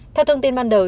theo thông tin ban đầu